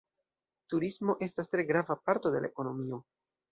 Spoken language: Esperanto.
Turismo estas tre grava parto de la ekonomio.